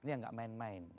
ini yang tidak main main